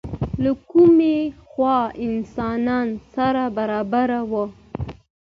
له کومې خوا انسانان سره برابر وو؟